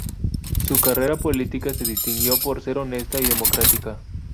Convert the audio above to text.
Su carrera política se distinguió por ser honesta y democrática.